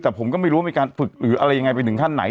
แต่ผมก็ไม่รู้ว่ามีการฝึกหรืออะไรยังไงไปถึงขั้นไหน